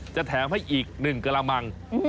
จะแถมให้อีก๑กระมัง